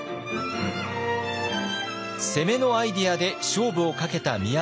攻めのアイデアで勝負をかけた宮田さん。